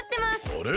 あれ？